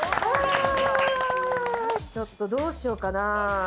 ちょっとどうしようかな？